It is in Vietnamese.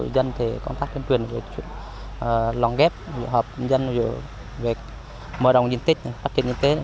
dân thì công tác tuyên truyền về lòng ghép hợp dân về mở đồng diện tích phát triển diện tích